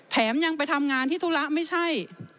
แถมยังไปทำงานที่ธุระไม่ใช่